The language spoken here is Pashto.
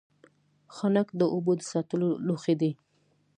ښانک د اوبو د ساتلو لوښی دی